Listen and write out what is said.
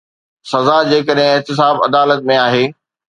سزا جيڪڏهن احتساب عدالت ۾ آهي.